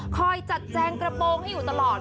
คอยจัดแจงกระโปรงให้อยู่ตลอด